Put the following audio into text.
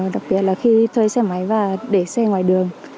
đặc biệt là khi thuê xe máy và để xe ngoài đường